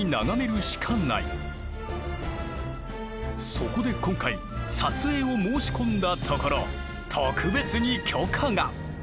そこで今回撮影を申し込んだところ特別に許可が！